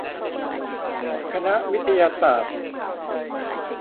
คณะวิทยาศาสตร์